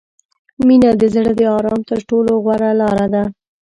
• مینه د زړه د آرام تر ټولو غوره لاره ده.